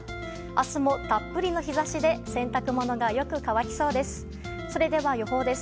明日もたっぷりの日差しで洗濯物がよく乾きそうです。